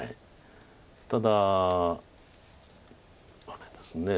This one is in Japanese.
ただあれですね。